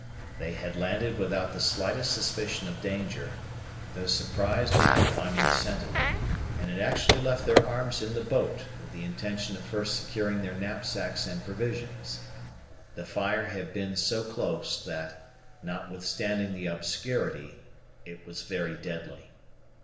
They had landed without the slightest suspicion of danger, though surprised at not finding a sentinel, and had actually left their arms in the boat, with the intention of first securing their knapsacks and provisions. The fire had been so close, that, notwithstanding the obscurity, it was very deadly.